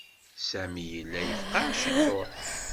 Sami yella yefqeɛ ciṭuḥ.